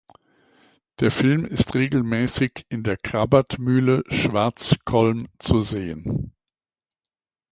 Der Film ist regelmäßig in der Krabat-Mühle Schwarzkollm zu sehen.